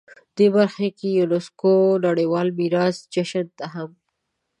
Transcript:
دې برخه کې یونسکو نړیوال میراث جشن ته هم